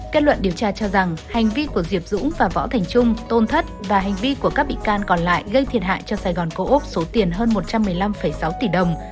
kết luận điều tra cho rằng hành vi của diệp dũng và võ thành trung tôn thất và hành vi của các bị can còn lại gây thiệt hại cho sài gòn cô ốc số tiền hơn một trăm một mươi năm sáu tỷ đồng